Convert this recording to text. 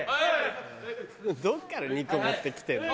どっから肉持ってきてんの。